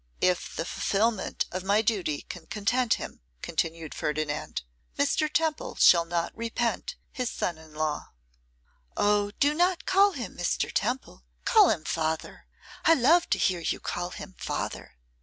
'If the fulfilment of my duty can content him,' continued Ferdinand, 'Mr. Temple shall not repent his son in law.' 'Oh! do not call him Mr. Temple; call him father. I love to hear you call him father.